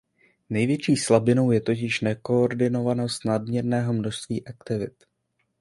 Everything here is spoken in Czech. Největší slabinou je totiž nekoordinovanost nadměrného množství aktivit.